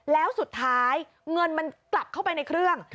แล้วสุดท้ายเงินมันกลับเข้าไปในเครื่อง